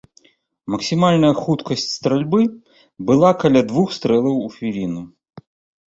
Максімальная хуткасць стральбы была каля двух стрэлаў у хвіліну.